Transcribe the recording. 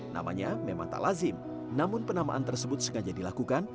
namanya memang tak lazim namun penamaan tersebut sengaja dilakukan